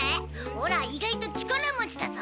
オラ意外と力持ちだゾ。